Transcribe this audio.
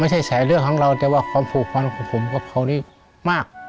ไม่ใช่สายเลือดของเราแต่ว่าความฝันของผมกับเขานี่มาก